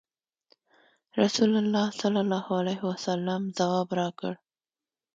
رسول الله صلی الله علیه وسلم ځواب راکړ.